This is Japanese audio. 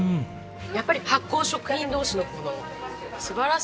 やっぱり発酵食品同士のこの素晴らしい相性が。